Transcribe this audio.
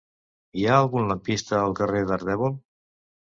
Hi ha algun lampista al carrer d'Ardèvol?